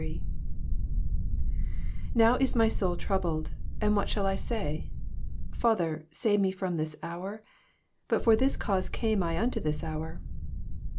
17 Now ii my soul troubled: and %aat shall I sayT Father, save me fram this hour: but for this cause oame I unto this hour.